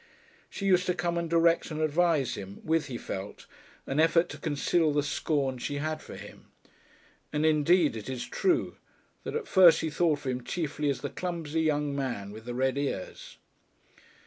She used to come and direct and advise him, with, he felt, an effort to conceal the scorn she had for him; and, indeed, it is true that at first she thought of him chiefly as the clumsy young man with the red ears.